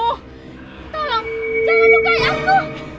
tolong jangan lukai aku